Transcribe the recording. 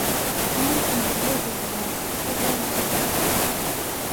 Mi akken yella di lɣar. Taẓallit.